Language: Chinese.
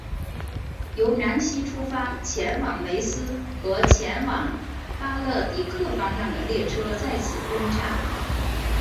由南锡出发前往梅斯和前往巴勒迪克方向的列车在此分岔。